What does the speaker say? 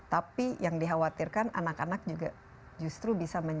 tapi yang dikhawatirkan anak anak juga justru bisa menyebabkan